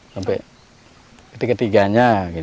sampai ketiga tiganya gitu